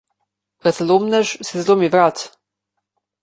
Vratolomnež si zlomi vrat.